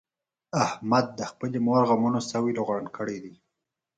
احمد د خپلې مور غمونو سوی لوغړن کړی دی.